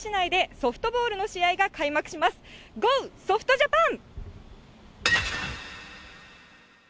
ソフトジャパン！